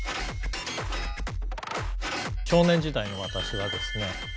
少年時代の私はですね